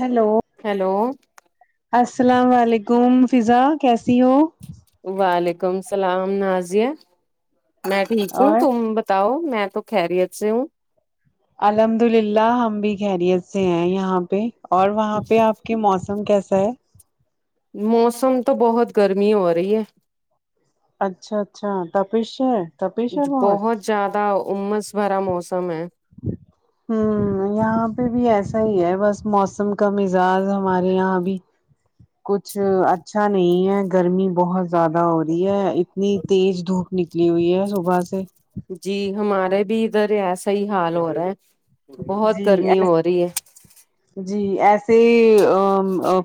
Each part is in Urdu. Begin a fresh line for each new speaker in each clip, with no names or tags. ہیلو
ہیلو
السلام علیکم فضا کیسی ہو
وعلیکم السلام نازیہ میں ٹھیک ہوں
اور
تم بتاؤ میں تو خیریت سے ہوں
الحمد للہ ہم بھی خیریت سے ہیں یہاں پہ اور وہاں پہ آپ کے موسم کیسا ہے
موسم تو بہت گرمی ہو رہی ہے
اچھا اچھا تپش ہے تپش ہے
بہت زیادہ امس بھرا موسم ہے
جی ہ یہاں پہ بھی ایسا ہی ہے بس موسم کا مزاج ہمارے یہاں بھی کچھ اچھا نہیں ہے گرمی بہت زیادہ ہو رہی ہے اتنی تیز دھوپ نک کلی ہوئی ہے صبح سے
جی ہمارے بھی ادھر ایسا ہی حال ہو رہا ہے بہت
جی
گرمی
اللہ
ہو رہی ہے
جی ایسے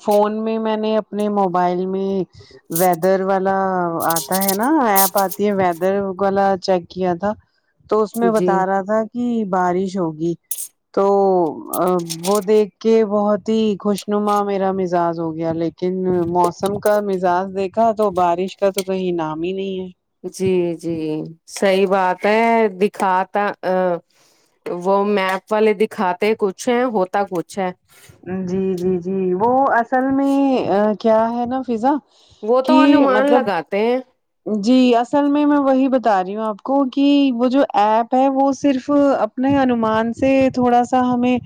فون میں میں نے اپنے موبائل میں ویدر والا آتا ہے نا آپ آتی ہے و ویدروالاچیک کیا تھا تو اس میں
جی
بتا رہا تھا کہ بارش ہوگی تو وہ دیکھ کے بہت ہی خوشنما میرا مزاج ہو گیا لیکن لیکن موسم کا مزاج دیکھا تو بارش کا تو کہیں نام ہی نہیں ہے
جی جی صحیح بات ہے دکھاتا ا وہ میپ والے دکھاتے کچھ ہے ہوتا کچھ ہے
جی جی جی وہ اصل میں کیا ہے نا فضا
وہ تو
کہ
انومان
مطلب
لگاتے ہیں
جی اصل میں میں وہی بتا رہی ہوں آپ کو کہ وہ جو ایپ ہے وہ صرف نہیں انمان سے تھوڑا سا ہمیں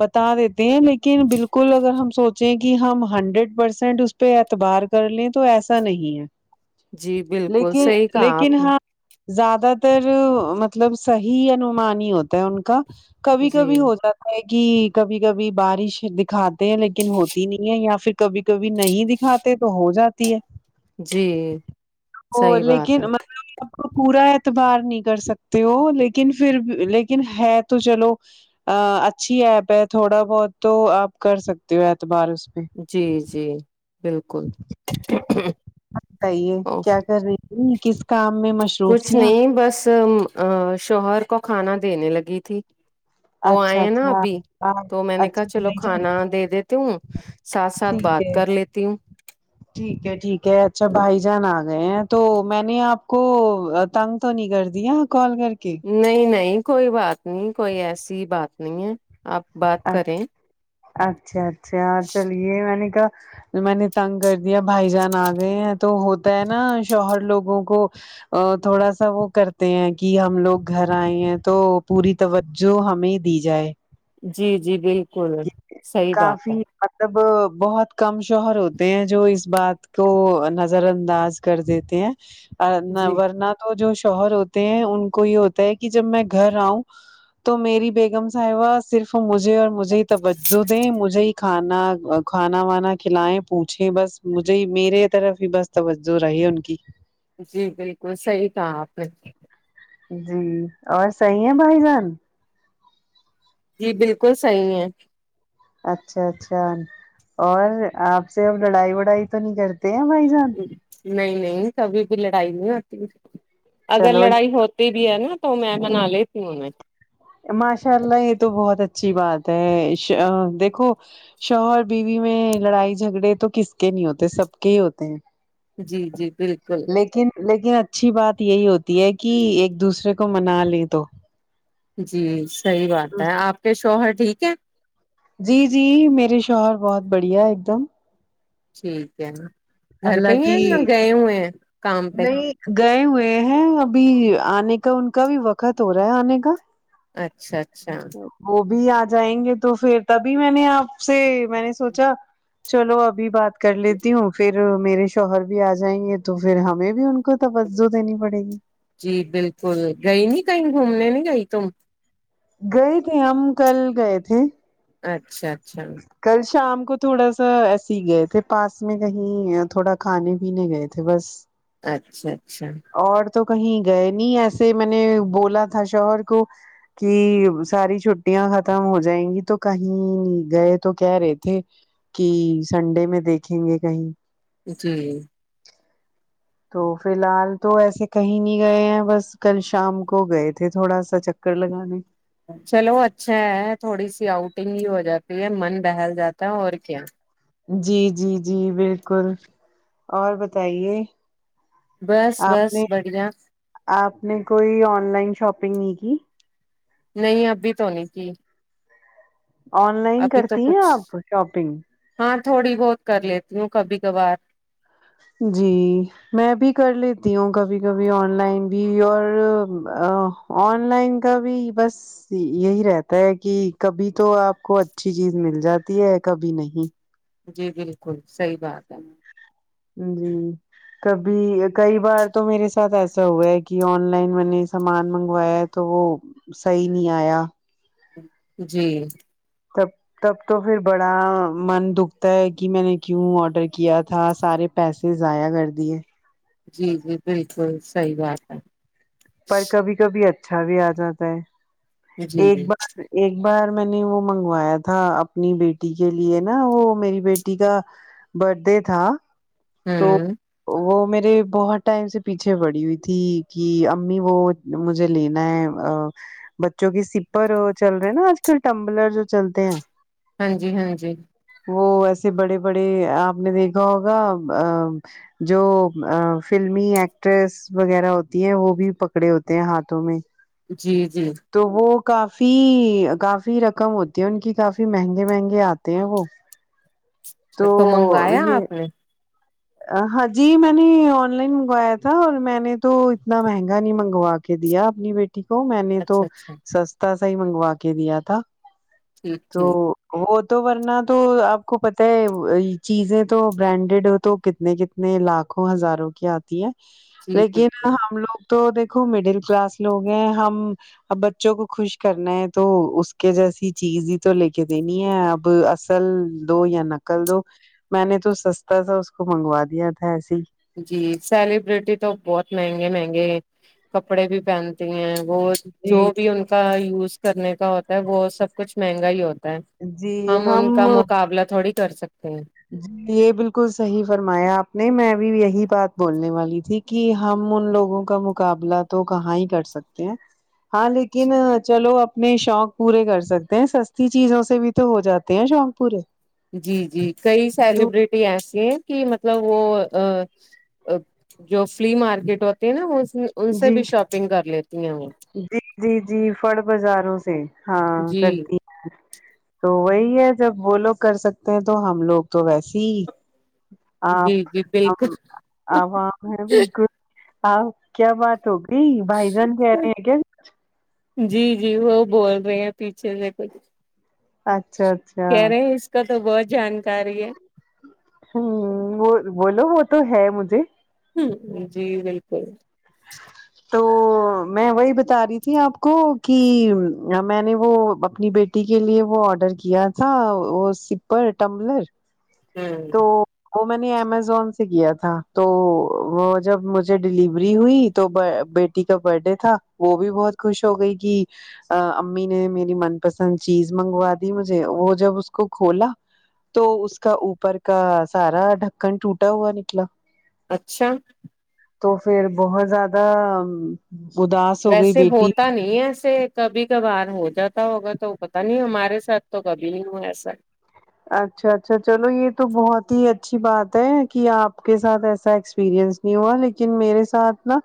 بتا دیتے ہیں لیکن بالکل کل اگر ہم سوچیں کہ ہم ہنڈریڈ پرسینٹ اس کو
جی بی
لیکن لیکن ہاں زیادہ تر مطلب صحیح انمانی ہی ہوتا ہے ان کا کبھی
جی
کبھی ہو جاتا کہ کبھی کبھی بارش دکھاتے ہیں لیکن ہوتی نہیں ہے یا پھر کبھی کبھی نہیں دکھ کھاتے تو ہو جاتی ہے
جی
ا و
صحیح بات
لیکن
ہے
مطلب آپ کو پورا اعتبار نہیں کر سکتے ہو لیکن پھر لیکن ہے تو چلو ا اچھی ایپ ہے تھوڑا بہت تو آپ کر سکتے ہو اعتبار اس پہ
جی جی بالکل
بتائیے
اوف
کیا کر رہی تھی کس کام میں مصروف
کچھ
تھے آپ
نہیں بس ا شوہر کو کھانا دینے لگی تھی
آپ؟
وہ
اچھا
آئے ہیں نا
اچھا
ابھی تو میں
آپ-
نے کہا
اچھا
چلو
بھائی جان
کھانا دے دیتی ہوں ساتھ ساتھ
ٹھیک
بات
ہے
کر لیتی ہوں
ٹھیک ہے ٹھیک ہے اچھا بھائی جان آ گئے ہیں تو میں نے آپ کو تنگ تو نہیں کر دیا کال کر کے
نہیں نہیں کوئی بات نہیں کوئی ایسی بات نہیں ہے آپ بات کریں
اچھا اچھا چلیے میں نے کہا میں نے تنگ کر دیا بھائی جان آ گئے ہیں تو ہوتا ہے نا شوہر لوگوں کو اور تھوڑا سا وہ کرتے ہیں کہ ہم لوگ گھر آئے ہیں تو پوری توجہ ہمیں دی جائے
جی جی بالکل صحیح بات
کافی
ہے
مطلب بہت کم شوہر ہوتے ہیں جو اس بات کو نظر انداز کر دیتے ہیں اور نہ
جی
ورنہ تو جو شوہر ہوتے ہیں ان کو یہ ہوتا ہے کہ جب میں گھر آؤں تو میری بیگم صاحبہ پھر تو مجھے مجھے ہی توجو دے مجھے کھانا کھانا وانا کھلائے پوچھے بس مجھے ہی میرے ہی طرف توجو رہی انکی
جی بالکل صحیح کہہ آپ
جی اور صحیح ہے بھائی جان
جی بالکل صحیح ہے
اچھا اچھا اور آپ سے اب لڑائی وڑائی تو نہیں کرتے ہیں بھائی جان
نہیں نہیں کبھی بھی لڑائی نہیں ہوتی اگر
چلو
لڑائی ہو بی بی ہے ن تو میں منالتی ہوئے انھیں
ماشاء اللہ یے تو بہت اچھی بات ہے دیکھو شوہر بیوی مے لڑائی جگھڑے تو کسکے نہیں ہوتے سب کے ہے ہوتے ہیں
جی جی بلکل
لیکن لیکن اچھی بات یہی ہوتی ہے کہ ایک دوسرے کو منا لے تو
جی صحیح بات ہے اپکے شوہر ٹھیک ہے
جی جی میرے شوہر بہت بڑھیا ہے ایک دم
ٹھیک ہے نہ گھر پہ
اللہ
ہی
کی
ہے یا گئے ہوئے ہیں کام پہ
نہیں گئے ہوئے ہیں ابھی آنے کا ان کا بھی وقت ہو رہا ہے آنے کا
اچھا اچھا
جی [unintelligible] چلو ابھی بات کر لیتی ہوں پھر میرے شوہر بھی آ جائیں گے تو پھر ہمیں بھی ان کو توجو دینی پڑیگی
جی بالکل گئی نہیں کہیں گھومنے نہیں گئی تم
گئے تھے ہم کل گئے تھے
اچھا اچھا
کل شام کو تھوڑا سا ایسے ہی گئے تھے پاس میں کہیں یہ تھوڑا کھانے پینے گئے تھے بس
اچھا اچھا
اور تو کہیں گئے نہیں ایسے میں نے بولا تھا شوہر کو کہ ساری چھٹیاں ختم ہوجائیگی تو کہیں گئے تو کہہ رہے تھے کہ سنڈے میں دیکھیں گے کہیں
جی
تو فی الحال تو ایسے کہیں نہیں گئے ہیں بس کل شام کو گئے تھے تھوڑا چکر لگانے
چلو اچھا ہے تھوڑی سی اؤٹنگ بھی ہوجاتی ہے من بہل جاتا ہے اور کیا
جی جی جی بلکل اور بتائے
بس بس بڑھیا
آپ نے کوئی آن لائن شاپنگ نہیں کی
نہیں ابھی تو نہیں کی
آن لائن
ابھی تو
کرتی
کچھ
ہیں شاپنگ
ہاں تھوڑی بہت کر لیتی ہوں کبھی کبھار
جی میں بھی کر لیتی ہوں کبھی کبھی آن لائن بھی اور آن لائن کا بھی بس یہی رہتا ہے کہ کبھی تو آپ کو اچھی چیز مل جاتی ہے کبھی نہیں
جی بالکل صحیح بات ہے
جی کبھی کئی بار تو میرے ساتھ ایسا ہوا ہے کہ آن لائن میں نے سامان منگوایا تو وہ صحیح نہیں آیا
جی
کب تب تو پھر بڑا من دکھتا ہے کہ میں نے کیوں آڈر کیا تھا سارے پیسے ضایا کردیے
جی جی بالکل صحیح بات ہے
پر کبھی کبھی اچھا بھی اجاتا ہے
ہے جی
ایک
جی
بار ایک بار میں نے وہ منگوایا تھا اپنی بیٹی کے لیے نا وہ میری بیٹی کا برتھڈے تھا تو
ہوں
وہ میرے بہت ٹائم سے پیچھے بڑی ہوئی تھی کہ امی وہ مجھے لینا ہے بچوں کی سپر چل رہے ہیں نا آج کل ٹمبلر جو چلتے ہیں
ہاں جی ہاں جی
وہ ایسے بڑے بڑے آپ نے دیکھا ہوگا ا جو فلمی ایکٹریس وغیرہ ہوتی ہیں وہ بھی پکڑے ہوتے ہیں ہاتھوں میں
جی جی
تو وہ کافی کافی رقم ہوتی ہے ان کی کافی مہنگے مہنگے آتے ہیں وہ تو
منگوایا
یہ
آپ نے
ہاں جی میں نے آن لائن منگوایا تھا اور میں نے تو اتنا مہنگا نہیں منگوا کے دیا اپنی بیٹی کو میں نے تو
اچھا اچھا
سستا سا ہی منگوا کے دیا تھا
ٹھیک
تو
ٹھیک
وہ تو ورنہ تو آپ کو پتہ ہے چیزیں تو برانڈیڈ ہو تو کتنے کتنے لاکھوں ہزاروں کی آتی ہے
جی
لیکن
بالکل
ہم لوگ تو دیکھو مڈل کلاس لوگ ہیں ہم اب بچوں کو خوش کرنا ہے تو اس کے جیسی چیز ہی تو لے کے دینی ہے اب اصل دو یا نکل دو میں نے تو سستا سا اس کو منگوا دیا تھا ایسے ہی
جی سیلیبرٹی تو بہت مہنگے مہنگے کپڑے بھی پہن تے ہیں وہ جو
جی
بھی ان کا یوز کرنے کا ہوتا ہے وہ سب کچھ مہنگا ہی ہوتا ہے
جی
ہم ان کا مقابلہ تھوڑی کر سکتے ہیں
جی یہ بالکل صحیح فرمایا آپ نے میں بھی یہی بات بولنے والی تھی کہ ہم ان لوگوں کا مقابلہ تو کہاں ہی کر سکتے ہیں ہاں لیکن چلو اب نہیں شوق پورے کر سکتے ہیں سستی چیزوں سے بھی تو ہو جاتے ہیں شوق پورے
جی جی کئی
ضرور،
سیلیبرٹی ایسی ہیں کہ مطلب وہ جو فلم مارکیٹ ہوتی ہے نا ان سے بھی
جی
شاپنگ کر لیتے [unintelligible]
جی جی جی فڑ بازاروں سے ہاں
جی
کرتی ہیں تو وہی ہے جب وہ لوگ کر سکتے ہیں تو ہم لوگ تو ویسے ہی آپ
جی جی بالکل
عوام ہے بالکل ہاں کیا بات ہوگی بھائی جان کہہ رہے ہیں کیا
جی جی وہ بول رہے ہیں پیچھے سے کچھ
اچھا اچھا
کہہ رہے ہیں اس کا تو بہت جانکاری ہے
ہاں وہ بولو وہ تو ہے مجھے
ہ جی بالکل
تو میں وہی بتا رہی تھی آپ کو کی میں نے وہ اپنی بیٹی ٹی کے لیے وہ آڈر کیا تھا وہ سپر ٹملر
ہوں
تو وہ میں نے امیزون سے کیا تھا تو وہ جب مجھے ڈلیوری ری ہوئی تو بیٹی کا برتھ ڈے تھا وہ بھی بہت خوش ہو گئی کہ امی نے میری من پسند چیز منگوا دی مجھے وہ جب اس کو کھولا تو اس کا اوپر کا سارا ڈھکن ٹوٹا ہوا نکلا
اچھا
تو پھر بہت زیادہ اداس ہو گئی
ویسے
بیٹی
ہوتا نہیں ہے ایسے کبھی کب بار ہو جاتا ہوگا تو پتا نہیں ہمارے ساتھ تو کبھی نہیں ہوا ایسا
اچھا اچھا چلو یہ تو بہت ہی اچھی بات ہے کہ آپ کے ساتھ ایسا ایکسپیرئنس نہیں ہوا لیکن میرے ساتھ نا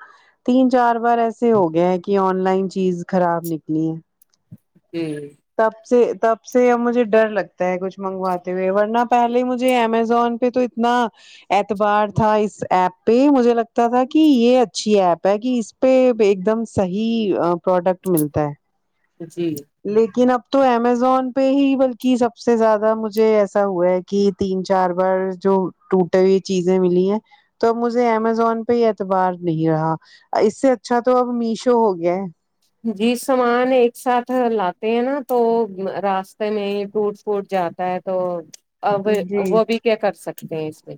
تین چار بار ایسے ہو گیا ہے کہ آن لائن چیز خراب نکلی ہے
جی
تب سے تب سے اب مجھے ڈر لگتا ہے کچھ منگواتے ہوئے ورنہ پہلے مجھے امیزون پہ تو نہ اعتبار تھا اس ایپ پہ مجھے لگتا تھا کہ یہ اچھی ایپ ہے کہ اس پہ ایک دم صحیح پروڈکٹ ملتا ہے
جی
لیکن اب تو امیزون پہ ہی بلکہ سب سے زیادہ مجھے ایسا ہوا ہے کہ کہ تین چار بار جو ٹوٹی ہوئی چیزیں ملی ہیں تو مجھے امیزون پہ یہ اعتبار نہیں رہا اس سے اچھا تو اب میشو ہو گیا ہے
جی سامان ایک ساتھ لاتے ہیں نا تو راستے میں ٹوٹ پوٹ جاتا ہے تو اب
جی
وہ بھی کیا کر سکتے ہیں اس میں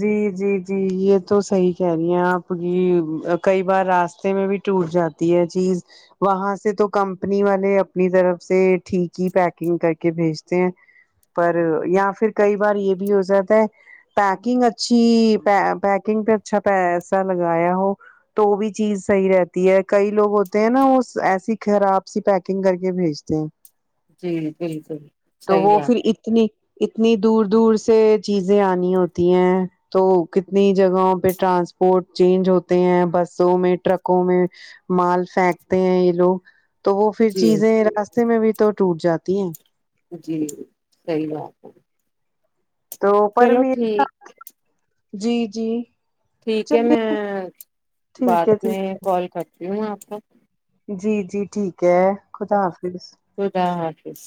جی جی جی یہ تو صحی کہہ رہی ہیں آپ یہ کئی بار راستے میں بھی ٹوٹ جاتی ہے چیز وہاں سے تو کمپنی والے اپنی طرف سے ٹھیک ہی پیکنگ کر کے بھیجتے ہیں پر یا پھر کئی بار یہ بھی ہو جاتا ہے پیکنگ اچھی پ پیکنگ پ اچھا پیسا لگایا ہو تو وہ بھی چیز صحیح رہتی ہے کئی لوگ ہوتے ہیں نا وہ ایسی خراب سی پیکنگ کر کے بھیجتے
جی بالکل
تو
صحیح
وہ
بات
پھر اتنی اتنی دور دور سے چیزیں آنی ہوتی ہیں تو کتنی جگہوں پہ ٹرانسپورٹ چینج ہوتے ہیں بسوں میں ٹرکوں میں مال پھینکتے ہیں یہ لوگ تو وہ پھر
جی
چیزیں راستے میں بھی تو ٹوٹ جاتی ہیں
جی صحیح بات ہے
تو پر
چلو
میرے
ٹھیک
ساتھ جی جی
ٹھیک ہے
چل
میں
ٹھیک
بعد
ہے ٹھیک
میں کال کرتی ہوں آپ کو
جی جی ٹھیک ہے خدا حافظ
خدا حافظ